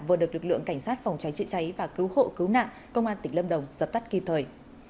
vừa được lực lượng cảnh sát phòng cháy chữa cháy và cứu hộ cứu nạn công an tỉnh lâm đồng dập tắt kịp thời